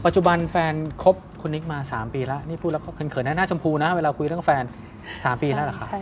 จุบันแฟนคบคุณนิกมา๓ปีแล้วนี่พูดแล้วก็เขินนะหน้าชมพูนะเวลาคุยเรื่องแฟน๓ปีแล้วเหรอครับ